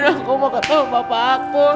aku mau ketemu papa aku